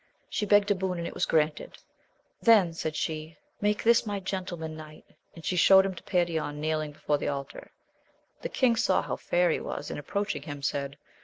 She begged a boon, and it was granted. Then, said she, make this my Gentleman* knight; and she showed him to Perion, kneeling before the altar. The king saw him how fair he was, and approaching him, said.